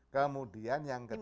kemudian yang ketiga